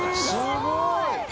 「すごい！」